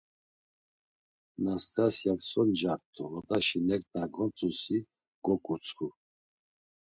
Nastasyak so ncart̆u odaşi neǩna gontzusi, goǩutsxu.